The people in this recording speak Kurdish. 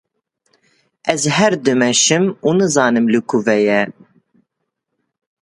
Ez her dimeşim û nizanim li kûve ye